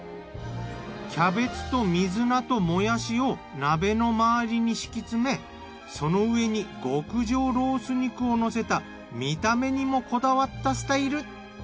キャベツと水菜ともやしを鍋の周りに敷き詰めその上に極上ロース肉を乗せた見た目にもこだわったスタイル。